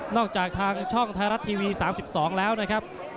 จากทางช่องไทยรัฐทีวี๓๒แล้วนะครับ